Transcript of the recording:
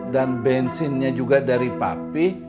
dan bensinnya juga dari papi